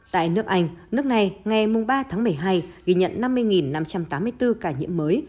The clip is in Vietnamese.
tại nước anh nước này ngày ba tháng một mươi hai ghi nhận năm mươi năm trăm tám mươi bốn ca nhiễm mới